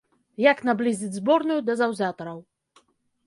Як наблізіць зборную да заўзятараў.